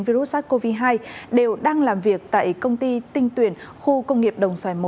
virus sars cov hai đều đang làm việc tại công ty tinh tuyển khu công nghiệp đồng xoài một